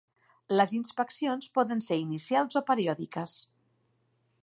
Les inspeccions poden ser inicials o periòdiques.